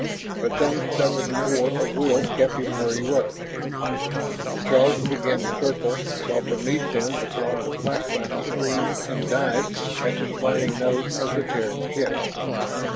But some stubborn core of will kept him where he was. The Throgs began to circle while beneath them the flock of clak claks screamed and dived at the slanting nose of the Terran ship.